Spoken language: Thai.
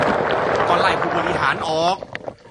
ก็ไล่ผู้บริหารออก